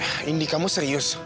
hai indy kamu serius